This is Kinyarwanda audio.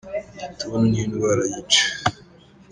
Igituntu n'indwara yica.